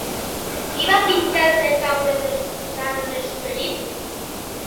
Qui va pintar el Retaule del Sant Esperit?